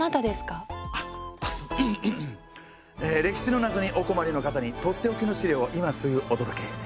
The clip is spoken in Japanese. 歴史の謎にお困りの方に取って置きの資料を今すぐお届け！